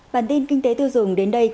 bản tin kinh tế tư dùng đến đây